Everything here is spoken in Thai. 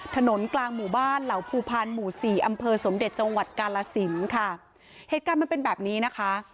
ถนนกลางหมู่บ้านเหล่าภูพันธ์หมู่สี่อำเภอสมเด็จจังหวัดกาลสินค่ะเหตุการณ์มันเป็นแบบนี้นะคะ